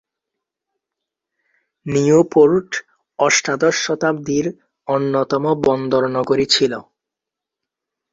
Newport অষ্টাদশ শতাব্দীর অন্যতম বন্দরনগরী ছিল।